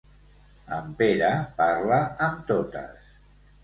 En Pere parla amb totes.